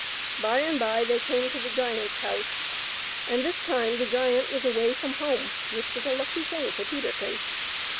By and by they came to the giant's house, and this time the giant was away from home, which was a lucky thing for Peterkin.